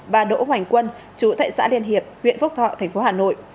và đỗ hoành quân chú tại xã liên hiệp huyện phúc thọ thành phố hà nội